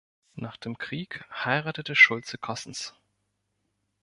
Nach dem Krieg heiratete Schulze-Kossens.